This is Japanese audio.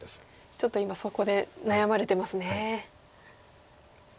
ちょっと今そこで悩まれてますね。